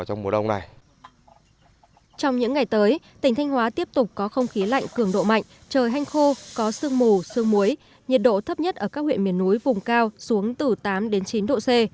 huyện miền núi lang chánh có thấp nhất ở các huyện miền núi vùng cao xuống từ tám đến chín độ c